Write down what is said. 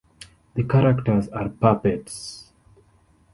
The characters are puppets.